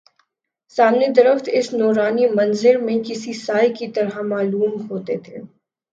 سامنے درخت اس نورانی منظر میں کسی سائے کی طرح معلوم ہوتے تھے